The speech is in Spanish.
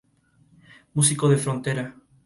Músico de frontera.